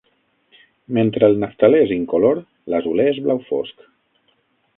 Mentre el naftalè és incolor, l'azulè és blau fosc.